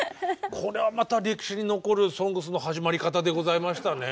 これはまた歴史に残る「ＳＯＮＧＳ」の始まり方でございましたね。